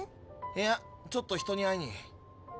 いやちょっと人に会いに。